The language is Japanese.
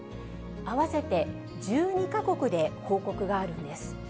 合わせて１２か国で報告があるんです。